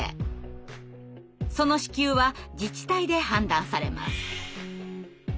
その支給は自治体で判断されます。